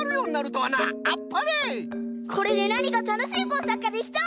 これでなにかたのしいこうさくができそう！